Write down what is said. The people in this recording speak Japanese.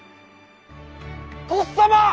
とっさま！